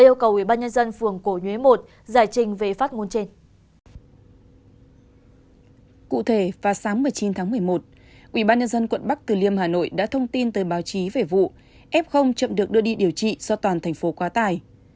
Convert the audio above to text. ủy ban nhân dân quận bắc tử liêm hà nội đã thông tin tới báo chí về vụ f chậm được đưa đi điều trị do toàn thành phố quá tải